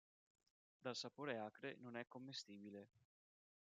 Dal sapore acre, non è commestibile.